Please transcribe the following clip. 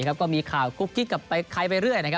ก็มีข่าวกุ๊กกิ๊กกับใครไปเรื่อย